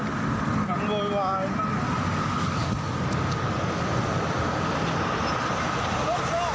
ตรงนี้กลับได้ไหมพี่